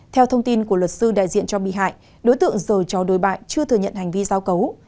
theo thông tin của luật sư đại diện cho bị hại đối tượng rồi cho đối bại chưa thừa nhận hành vi giao cấu